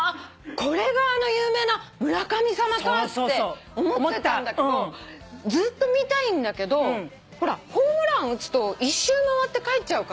これがあの有名な村神様かって思ってたんだけどずっと見たいんだけどほらホームラン打つと１周回って帰っちゃうから。